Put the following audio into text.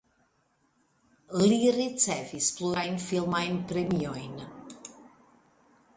Li ricevis plurajn filmajn premiojn.